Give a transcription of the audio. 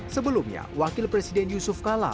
sebelumnya wakil presiden yusuf kala